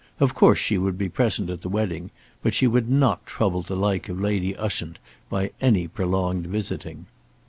Of course she would be present at the wedding; but she would not trouble the like of Lady Ushant by any prolonged visiting.